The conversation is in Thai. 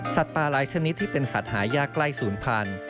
ปลาหลายชนิดที่เป็นสัตว์หายากใกล้ศูนย์พันธุ